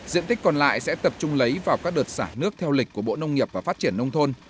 diện tích còn lại sẽ tập trung lấy vào các đợt xả nước theo lịch của bộ nông nghiệp và phát triển nông thôn